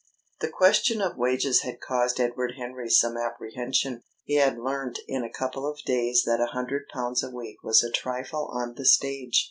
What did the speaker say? The question of wages had caused Edward Henry some apprehension. He had learnt in a couple of days that a hundred pounds a week was a trifle on the stage.